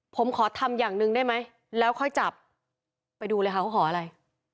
ผมขอทำอย่างหนึ่งได้ไหมแล้วค่อยจับไปดูเลยค่ะเขาขออะไร